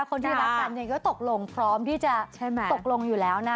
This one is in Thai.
คนที่รักกันก็ตกลงพร้อมที่จะตกลงอยู่แล้วนะ